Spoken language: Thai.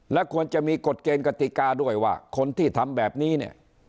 และควรจะมีกฎเกณฑ์กติกาด้วยว่าคนที่ทำแบบนี้เนี่ย